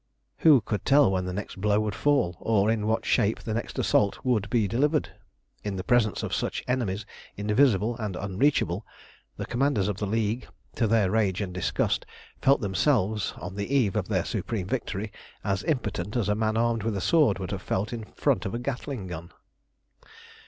Who could tell when the next blow would fall, or in what shape the next assault would be delivered? In the presence of such enemies, invisible and unreachable, the commanders of the League, to their rage and disgust, felt themselves, on the eve of their supreme victory, as impotent as a man armed with a sword would have felt in front of a Gatling gun.